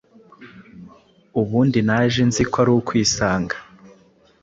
ubundi naje nzi ko ari ukwisanga.”